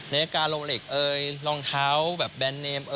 นาฬิกาโรงเหล็กรองเท้าแบนเนม